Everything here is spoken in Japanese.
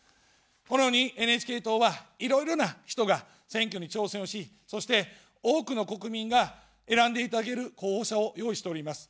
このようにＮＨＫ党は、いろいろな人が選挙に挑戦をし、そして多くの国民が選んでいただける候補者を用意しております。